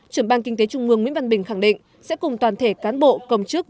trưởng ban kinh tế trung mương nguyễn văn bình khẳng định sẽ cùng toàn thể cán bộ công chức